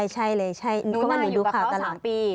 ใช่เลยนับนุนาอยู่กับเขา๓ปี